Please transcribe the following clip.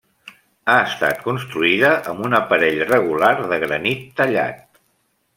Ha estat construïda amb un aparell regular de granit tallat.